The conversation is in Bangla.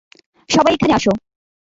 সবাই, এখানে আসো।